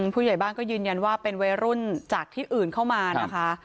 ผู้ใหญ่บ้านก็ยืนยันว่าเป็นวัยรุ่นจากที่อื่นเข้ามานะคะ